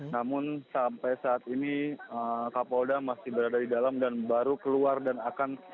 namun sampai saat ini kapolda masih berada di dalam dan baru keluar dan akan